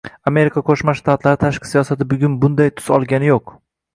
Amerika Qo'shma Shtatlari tashqi siyosati bugun bunday tus olgani yo‘q